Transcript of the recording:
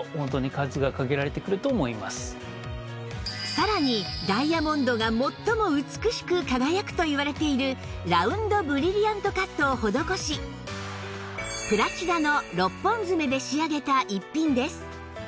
さらにダイヤモンドが最も美しく輝くといわれているラウンドブリリアントカットを施しプラチナの６本爪で仕上げた逸品です